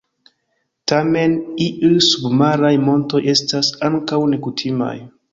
Tamen, iuj submaraj montoj estas ankaŭ nekutimaj.